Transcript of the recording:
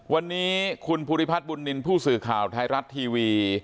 วันนี้คุณภูริพัฒน์บุญนินทร์ผู้สื่อข่าวไทยรัฐทีวี